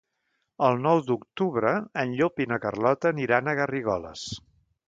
El nou d'octubre en Llop i na Carlota aniran a Garrigoles.